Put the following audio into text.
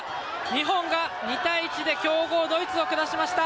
日本が２対１で強豪ドイツを下しました。